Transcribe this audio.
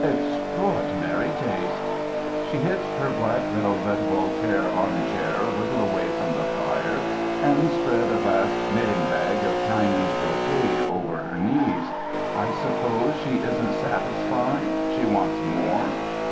Extraordinary taste." She hitched her black velvet Voltaire arm chair a little away from the fire and spread a vast knitting bag of Chinese brocade over her knees. "I suppose she isn't satisfied; she wants more."